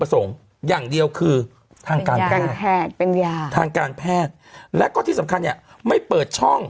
ประสงค์อย่างเดียวคือทางการแพทย์มียาถ้างการแพทย์แล้วก็ที่สำคัญอย่างไม่เปิด